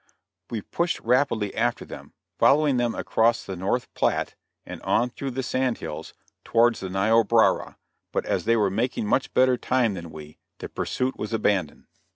We pushed rapidly after them, following them across the North Platte and on through the sand hills towards the Niobrara; but as they were making much better time than we, the pursuit was abandoned.